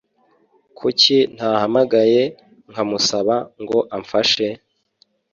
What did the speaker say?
Kuki ntahamagaye nkamusaba ngo amfashe?